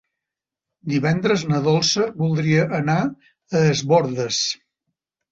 Divendres na Dolça voldria anar a Es Bòrdes.